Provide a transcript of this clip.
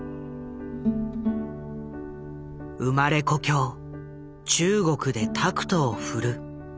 生まれ故郷中国でタクトを振る。